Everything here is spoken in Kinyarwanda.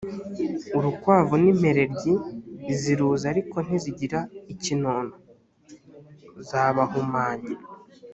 urukwavu n’impereryi, ziruza ariko ntizigira ikinono; zabahumanya.